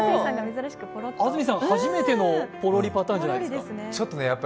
安住さん、初めてのポロリパターンじゃないですか。